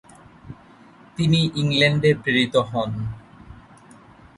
তিনি ইংল্যান্ডে প্রেরিত হন।